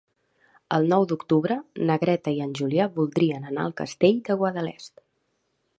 El nou d'octubre na Greta i en Julià voldrien anar al Castell de Guadalest.